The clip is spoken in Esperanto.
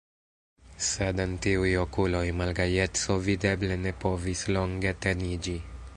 Sed en tiuj okuloj malgajeco videble ne povis longe teniĝi.